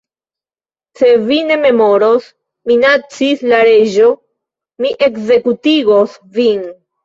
"Se vi ne memoros," minacis la Reĝo, "mi ekzekutigos vin."